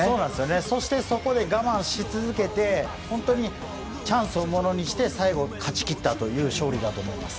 そして、そこで我慢し続けて本当にチャンスをものにして最後、勝ち切ったという勝利だと思います。